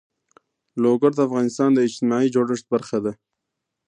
لوگر د افغانستان د اجتماعي جوړښت برخه ده.